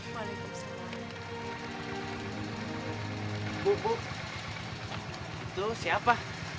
bu itu siapa